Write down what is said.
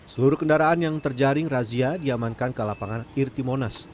seluruh kendaraan yang terjaring razia diamankan ke lapangan irti monas